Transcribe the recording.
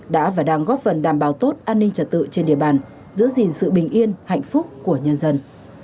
đã và đang góp phần đảm bảo tốt an ninh trật tự trên địa bàn giữ gìn sự bình yên hạnh phúc của nhân dân